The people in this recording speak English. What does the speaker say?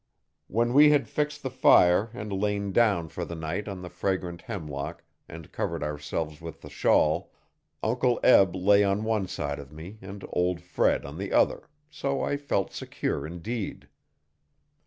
When we had fixed the fire and lain down for the night on the fragrant hemlock and covered ourselves with the shawl, Uncle Eb lay on one side of me and old Fred on the other, so I felt secure indeed.